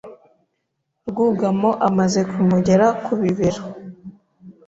Rwugamo amaze kumugera ku bibero